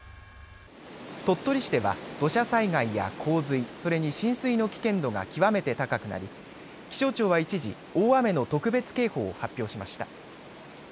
鳥取市では土砂災害や洪水、それに浸水の危険度が極めて高くなり気象庁は一時、大雨の特別警報を発表しました。